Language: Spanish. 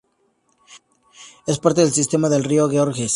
Es parte del sistema del río Georges.